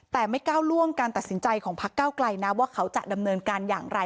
แต่ไม่ก้าวล่วงการตัดสินใจของพักเก้าไกลนะว่าเขาจะดำเนินการอย่างไร